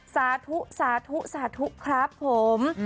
สาธุสาธุสาธุครับผม